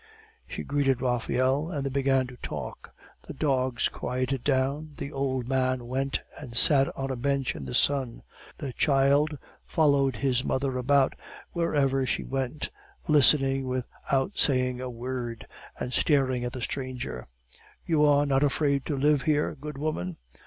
She greeted Raphael, and they began to talk. The dogs quieted down; the old man went and sat on a bench in the sun; the child followed his mother about wherever she went, listening without saying a word, and staring at the stranger. "You are not afraid to live here, good woman?"